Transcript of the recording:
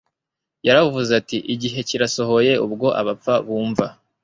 Yaravuze ati: "Igihe kirasohoye ubwo abapfa bumva,